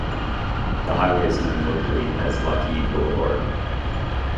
The highway is known locally as Lockheed Boulevard.